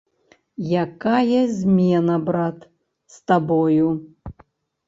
Якая змена, брат, з табою?